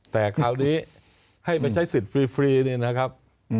แต่คราวนี้ให้ไปใช้สิทธิ์ฟรีเนี่ยนะครับ